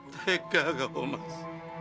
tegak kok mas